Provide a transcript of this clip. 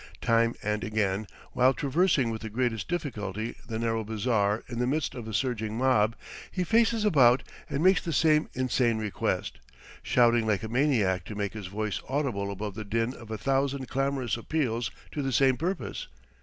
Time and again, while traversing with the greatest difficulty the narrow bazaar in the midst of a surging mob, he faces about and makes the same insane request, shouting like a maniac to make his voice audible above the din of a thousand clamorous appeals to the same purpose.